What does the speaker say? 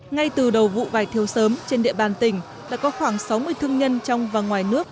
ngay từ đầu vụ vải thiều sớm trên địa bàn tỉnh đã có khoảng sáu mươi thương nhân trong và ngoài nước